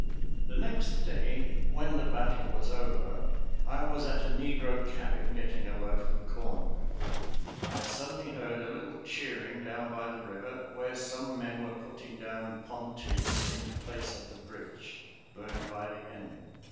The next day, when the battle was over, I was at a negro cabin getting a loaf of corn bread. I suddenly heard a little cheering down by the river, where some men were putting down pontoons in place of the bridge burned by the enemy.